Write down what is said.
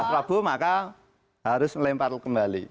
prabu maka harus melempar kembali